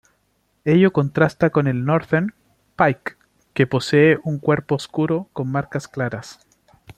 Ello contrasta con el northern pike que posee un cuerpo oscuro con marcas claras.